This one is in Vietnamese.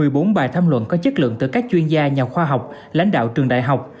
một mươi bốn bài tham luận có chất lượng từ các chuyên gia nhà khoa học lãnh đạo trường đại học